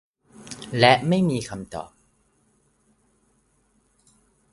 และไม่มีคำตอบ